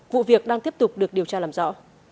vụ việc đang tiếp tục được điều tra làm rõ